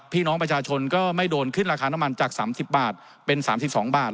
พี่น้องประชาชนก็ไม่โดนขึ้นราคาน้ำมันจาก๓๐บาทเป็น๓๒บาท